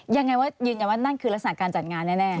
ยังไงว่านั่นคือลักษณะการจัดงานแน่